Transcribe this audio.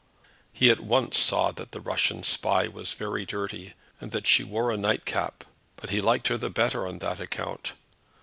He at once saw that the Russian spy was very dirty, and that she wore a nightcap, but he liked her the better on that account.